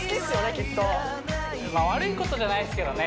きっとまあ悪いことじゃないですけどね